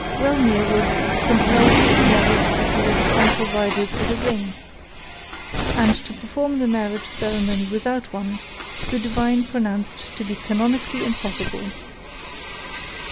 Wellmere was compelled to acknowledge that he was unprovided with a ring; and to perform the marriage ceremony without one, the divine pronounced to be canonically impossible.